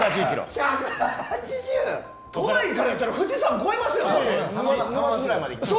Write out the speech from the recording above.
都内からだったら富士山越えますよ！